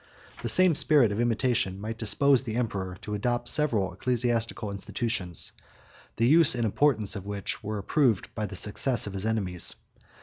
39 The same spirit of imitation might dispose the emperor to adopt several ecclesiastical institutions, the use and importance of which were approved by the success of his enemies.